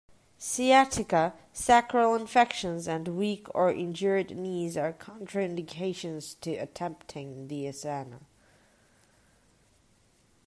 Sciatica, sacral infections and weak or injured knees are contra-indications to attempting the asana.